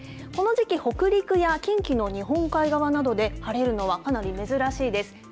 この時期、北陸や近畿の日本海側などで、晴れるのはかなり珍しいです。